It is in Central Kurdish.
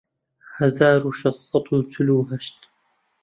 هەزار و شەش سەد و چل و هەشت